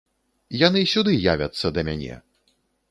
Яны сюды явяцца да мяне!